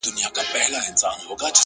ما به له زړه درته ټپې په زړه کي وويلې!!